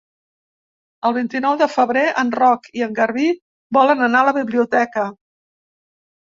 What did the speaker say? El vint-i-nou de febrer en Roc i en Garbí volen anar a la biblioteca.